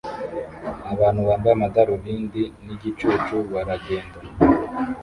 Abantu bambaye amadarubindi nigicucu baragenda